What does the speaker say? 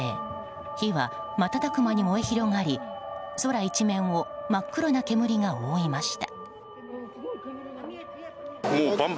火は瞬く間に燃え広がり空一面を真っ黒な煙が覆いました。